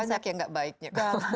banyak yang tidak baiknya